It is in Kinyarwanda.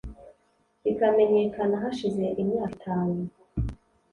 bikamenyekana hashize imyaka itanu